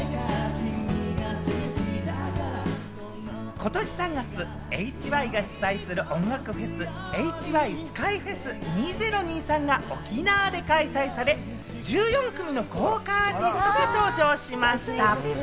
ことし３月、ＨＹが主催する音楽フェス「ＨＹＳＫＹＦｅｓ２０２３」が沖縄で開催され、１４組の豪華アーティストが登場しました。